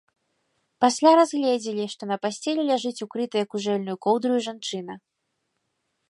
Пасля разгледзелі, што на пасцелі ляжыць укрытая кужэльнаю коўдраю жанчына.